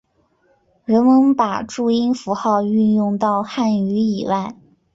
人们还把注音符号运用到汉语以外。